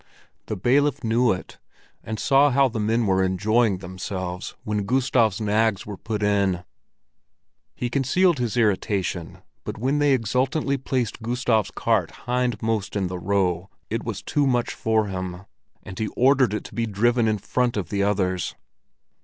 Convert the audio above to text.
The bailiff knew it, and saw how the men were enjoying themselves when Gustav's nags were put in. He concealed his irritation, but when they exultantly placed Gustav's cart hindmost in the row, it was too much for him, and he ordered it to be driven in front of the others.